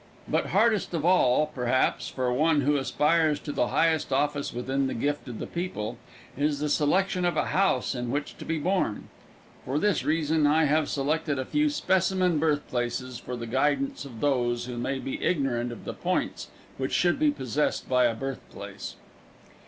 But hardest of all, perhaps, for one who aspires to the highest office within the gift of the people, is the selection of a house in which to be born. For this reason I have selected a few specimen birthplaces for the guidance of those who may be ignorant of the points which should be possessed by a birthplace.